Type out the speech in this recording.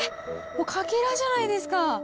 もうかけらじゃないですか。